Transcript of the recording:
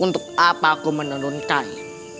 untuk apa aku menenun kain